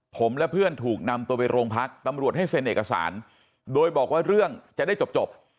ผมและเพื่อนถูกนำตัวไปโรงพักตำรวจให้เซ็นเอกสารโดยบอกว่าเรื่องจะได้จบ